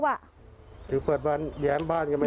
ถือเปิดบ้านแย้มบ้านกันไป